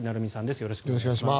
よろしくお願いします。